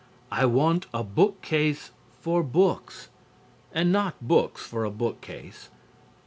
I want a bookcase for books and not books for a bookcase."